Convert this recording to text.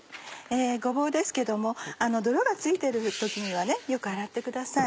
ごぼうですけども泥が付いている時にはよく洗ってください。